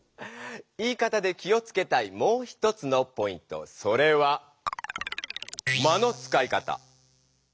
言い方で気をつけたいもう一つのポイントそれは「間のつかい方」。